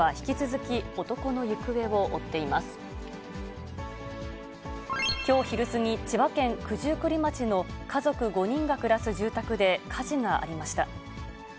きょう昼過ぎ、千葉県九十九里町の家族５人が暮らす住宅で火事がありました。